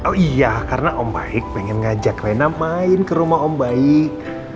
oh iya karena om baik pengen ngajak leina main ke rumah om baik